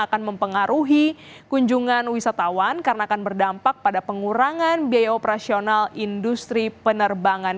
akan mempengaruhi kunjungan wisatawan karena akan berdampak pada pengurangan biaya operasional industri penerbangan